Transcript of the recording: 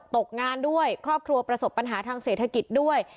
ตกงานด้วยครอบครัวประสบปัญหาทางเศรษฐกิจด้วย